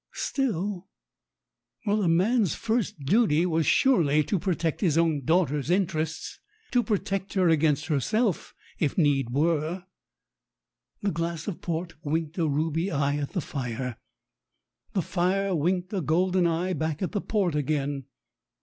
Still ... well, a man's first duty was surely to protect his own daughter's interests to protect her against herself, if need were. The glass of port winked a ruby eye at the fire. The fire winked a golden eye back at the port again.